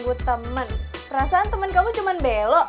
gua temen perasaan temen kamu cuman belo